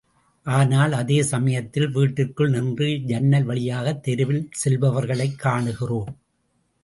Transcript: ஆனால் அதே சமயத்தில் வீட்டிற்குள் நின்று ஜன்னல் வழியாக தெருவில் செல்பவர்களைக் காணுகிறோம்.